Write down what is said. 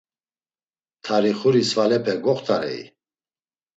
Tarixuri svalepe goxtarei?